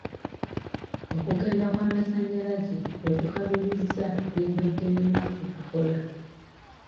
Okugenda kw'amasannyalaze kwe kukalubizza bye mbadde nina okukola.